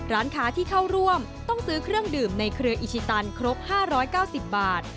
ร้านค้าที่เข้าร่วมต้องซื้อเครื่องดื่มในเครืออิชิตันครบ๕๙๐บาท